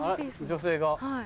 女性が。